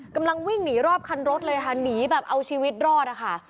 กำลังวิ่งหนีรอบคันรถเลยค่ะหนีแบบเอาชีวิตรอดนะคะ